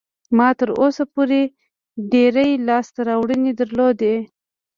ما تر اوسه پورې ډېرې لاسته راوړنې درلودې.